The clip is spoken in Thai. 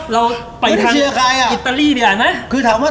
เราไปทางอิตาลีบีลานไหม